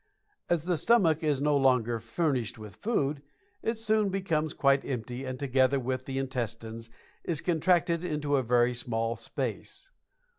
As the stomach is no longer furnished with food, it soon becomes quite empty, and, together with the intestines, is contracted into a very small space.